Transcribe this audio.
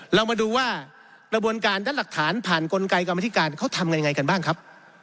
เรามาดูว่ากระบวนการด้านหลักฐานผ่านกลไกกรรมธิการเขาทำกันยังไงกันบ้างครับ